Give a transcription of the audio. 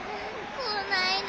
こないな